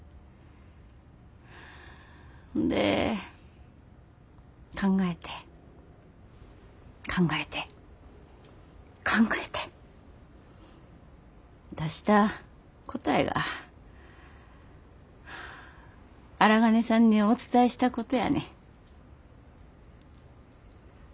ほんで考えて考えて考えて出した答えが荒金さんにお伝えしたことやねん。